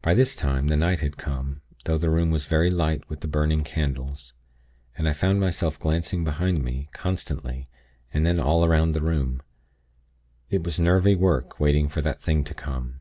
"By this time, the night had come; though the room was very light with the burning candles; and I found myself glancing behind me, constantly, and then all 'round the room. It was nervy work waiting for that thing to come.